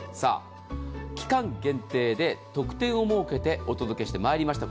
期間限定で特典を設けてお届けしてまいりました